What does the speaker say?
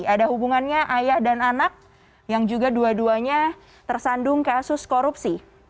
ada hubungannya ayah dan anak yang juga dua duanya tersandung kasus korupsi